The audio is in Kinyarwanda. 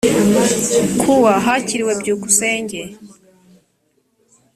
ku wa hakiriwe byukusenge